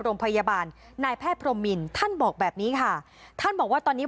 โรงพยาบาลนายแพทย์พรมมินท่านบอกแบบนี้ค่ะท่านบอกว่าตอนนี้